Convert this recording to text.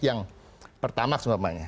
yang pertama semuanya